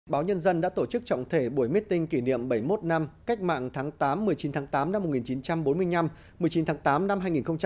báo nhân dân đã tổ chức trọng thể buổi meeting kỷ niệm bảy mươi một năm cách mạng tháng tám một mươi chín tháng tám năm một nghìn chín trăm bốn mươi năm một mươi chín tháng tám năm hai nghìn một mươi chín